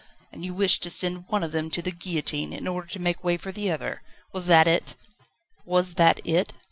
"And you wished to send one of them to the guillotine in order to make way for the other? Was that it?" "Was that it?"